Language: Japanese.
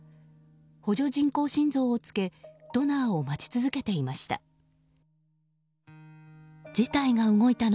補助人工心臓を着けドナーを待ち続けていました。